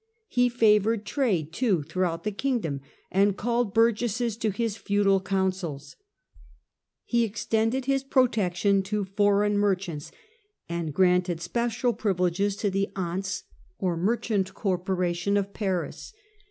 He favoured trade, too, throughout the kingdom, and called burgesses to his feudal councils. He extended his protection to foreign merchants, and granted special privileges to the hanse or 13 194 THE CENTRAL PERIOD OF THE MIDDLE AGE merchant corporation of Paris.